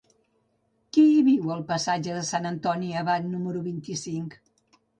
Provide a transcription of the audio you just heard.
Qui viu al passatge de Sant Antoni Abat número vint-i-cinc?